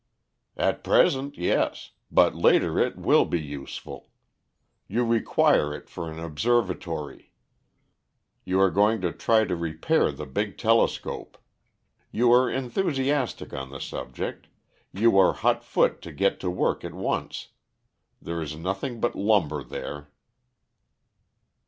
"At present, yes; but later it will be useful. You require it for an observatory. You are going to try to repair the big telescope. You are enthusiastic on the subject, you are hot foot to get to work at once. There is nothing but lumber there."